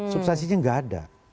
substansinya gak ada